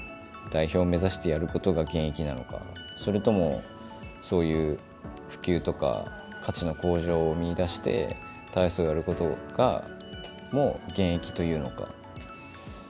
代表を目指してやることが現役なのか、それとも、そういう普及とか、価値の向上を見いだして、体操をやることも現役というのか。